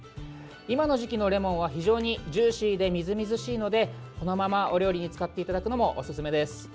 今の時期のレモンは非常にジューシーで、みずみずしいのでこのままお料理に使っていただくのもおすすめです。